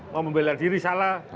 mau membela diri salah